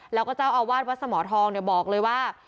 แล้วก็เจ้าอาวาสวัดสมทองบอกเลยว่า